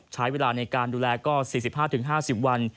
ใช้เวลาในการดูแลก็๔๕๕๐วัน